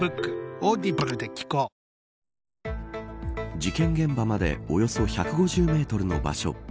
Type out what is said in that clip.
事件現場までおよそ１５０メートルの場所。